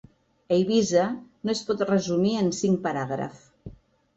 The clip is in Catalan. Eivissa no es pot resumir en cinc paràgrafs.